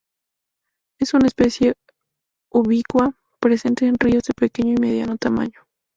Es una especie ubicua, presente en ríos de pequeño y medio tamaño.